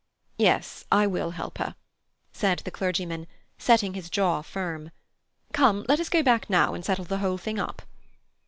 "Yes, I will help her," said the clergyman, setting his jaw firm. "Come, let us go back now, and settle the whole thing up."